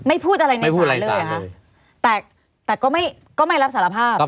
ไม่มีครับไม่มีครับ